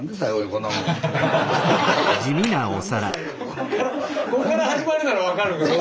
ここから始まるなら分かるけど。